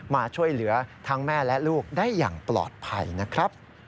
มาช่วยเหลือทั้งแม่และลูกได้อย่างปลอดภัยนะครับ